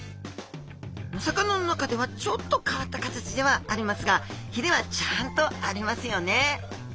お魚の中ではちょっと変わった形ではありますがひれはちゃんとありますよね。